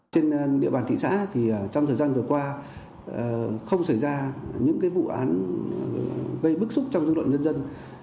trên địa bàn thị xã thì trong thời gian vừa qua không xảy ra những vụ án gây bức xúc trong dư luận nhân dân